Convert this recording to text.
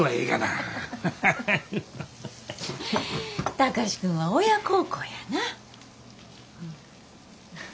貴司君は親孝行やな。